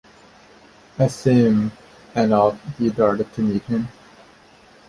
I see him!' and off he darted to meet him.